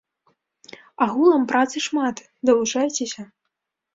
Агулам працы шмат, далучайцеся!